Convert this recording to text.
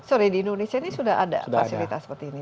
sorry di indonesia ini sudah ada fasilitas seperti ini